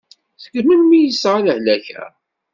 Seg melmi i yesɛa lehlak-a?